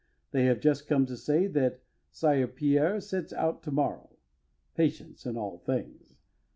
They have just come to say that Sire Pierre sets out to morrow. Patience in all things!